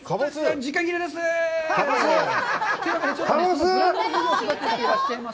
時間切れです。